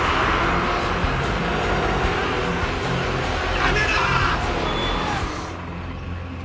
やめろ！